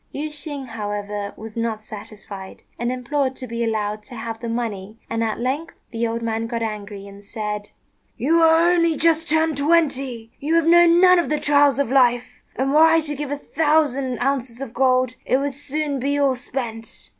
Yüeh shêng, however, was not satisfied, and implored to be allowed to have the money; and at length the old man got angry and said, "You are only just turned twenty; you have known none of the trials of life, and were I to give a thousand ounces of gold, it would soon be all spent.